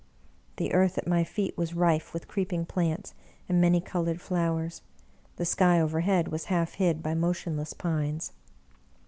The earth at my feet was rife with creeping plants and many colored flowers, the sky overhead was half hid by motionless pines.